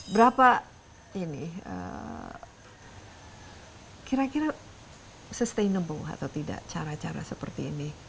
berapa ini kira kira sustainable atau tidak cara cara seperti ini